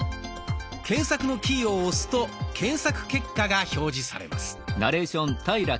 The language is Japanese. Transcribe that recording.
検索のキーを押すと検索結果が表示されます。